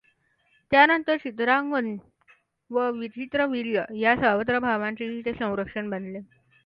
त्यानंतर चित्रांगद व विचित्रवीर्य या सावत्रभावांचेही ते संरक्षक बनले.